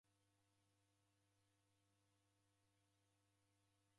W'eko w'andu w'engi kifungonyi.